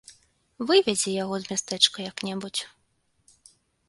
Выведзі яго за мястэчка як-небудзь.